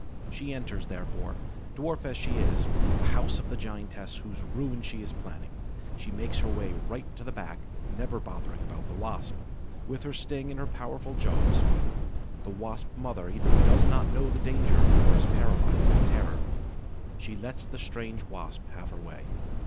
She enters, therefore, dwarf as she is, the house of the giantess whose ruin she is planning; she makes her way right to the back, never bothering about the Wasp, with her sting and her powerful jaws. The Wasp mother either does not know the danger or is paralyzed with terror. She lets the strange Wasp have her way.